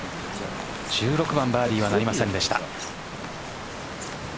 １６番バーディーはなりませんでした。